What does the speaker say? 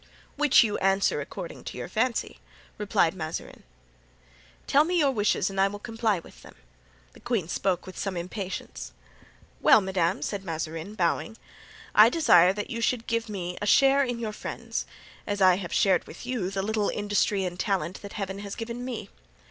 "Which you answer according to your fancy," replied Mazarin. "Tell me your wishes and I will comply with them." The queen spoke with some impatience. "Well, madame," said Mazarin, bowing, "I desire that you give me a share in your friends, as I have shared with you the little industry and talent that Heaven has given me.